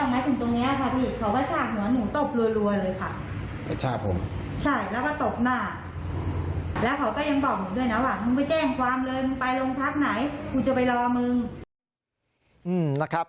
มึงไปโรงพักไหนกูจะไปรอมึงอืมนะครับ